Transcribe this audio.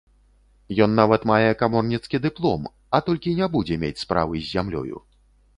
Ён нават мае каморніцкі дыплом, а толькі не будзе мець справы з зямлёю.